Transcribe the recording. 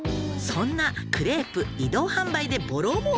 「そんなクレープ移動販売でボロもうけ」